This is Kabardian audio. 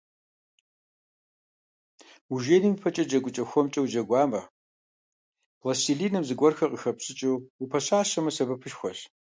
Ужеиным ипэкӀэ джэгукӀэ хуэмкӀэ уджэгуамэ, пластелиным зыгуэрхэр къыхэпщӀыкӀыу упэщэщамэ, сэбэпышхуэщ.